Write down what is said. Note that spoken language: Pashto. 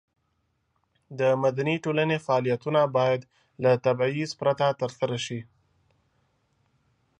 د مدني ټولنې فعالیتونه باید له تبعیض پرته ترسره شي.